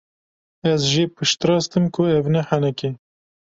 Ez jê piştrast im ku ev ne henek e.